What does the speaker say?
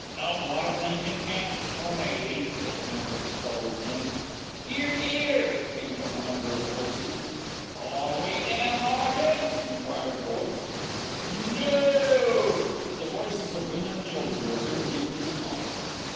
"No more blinkin' camps for me," said the man with the stubbly chin. "'Ear, 'ear," came from a number of voices. "Are we down hearted?" enquired a voice. "Nooooooooo!" And the voices of women and children were heard in the response.